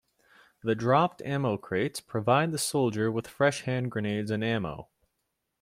The dropped ammo crates provide the soldier with fresh hand grenades and ammo.